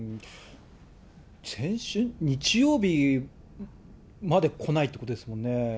先週、日曜日まで来ないということですもんね。